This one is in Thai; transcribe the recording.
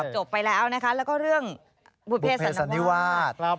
ไปแล้วนะคะแล้วก็เรื่องบุภเพศสันนิวาส